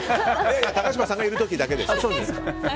高嶋さんがいる時だけですよ。